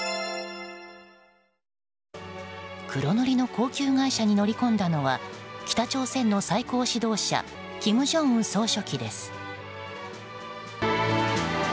黒塗りの高級外車に乗り込んだのは北朝鮮の最高指導者金正恩総書記です。